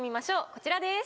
こちらです。